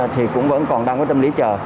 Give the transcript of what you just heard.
thì cũng vẫn còn đang có tâm lý chờ